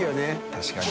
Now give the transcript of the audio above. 確かに。